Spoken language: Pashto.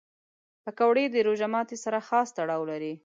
پکورې د روژه ماتي سره خاص تړاو لري